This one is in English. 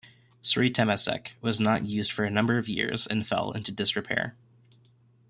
Sri Temasek was not used for a number of years and fell into disrepair.